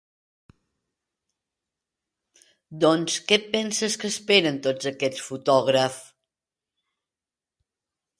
Doncs què et penses que esperen, tots aquests fotògrafs?